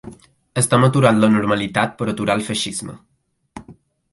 Estem aturant la normalitat per aturar el feixisme.